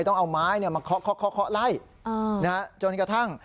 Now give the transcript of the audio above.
ต้องเอาไม้เนี่ยมาเนี่ยมาเออจนนี่กระทั่ง